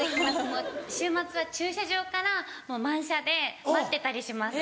もう週末は駐車場から満車で待ってたりします。